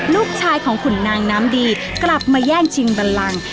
ลูกชายของขุนนางน้ำดีกลับมาแย่งชิงบันลัง